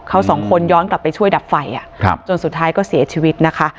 เขาสองคนย้อนกลับไปช่วยดับไฟจนสุดท้ายก็เสียชีวิตนะคะ